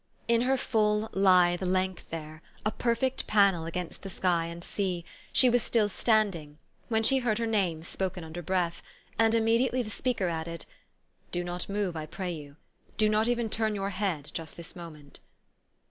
THE STORY OF AVIS. 179 In her full lithe length there, a perfect panel against the sky and sea, she was still standing, when she heard her name spoken under breath ; and immediately the speaker added, "Do not move, I pray you; do not even turn your head just this moment."